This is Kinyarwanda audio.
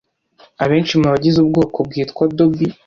Abenshi mu bagize ubwoko bwitwa Dhobi